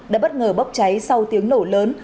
đã bất ngờ bốc cháy sau tiếng nổ lớn